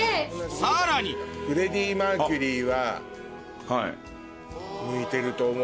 さらにフレディ・マーキュリーは向いてると思う。